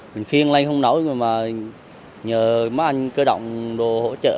mình khiêng lên không nổi mà nhờ mấy anh cơ động đồ hỗ trợ